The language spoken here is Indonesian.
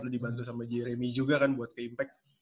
lu dibantu sama jeremy juga kan buat ke impact